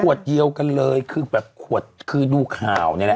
ขวดเยียวกันเลยคือดูข่าวนี่แหละ